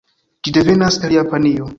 Ĝi devenas el Japanio.